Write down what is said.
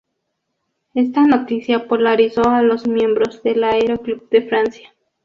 Esta noticia polarizó a los miembros del Aero Club de Francia.